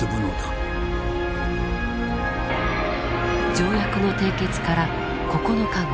条約の締結から９日後。